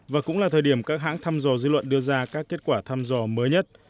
và cũng là thời điểm các hãng thăm dò dư luận đưa ra các kết quả thăm dò mới nhất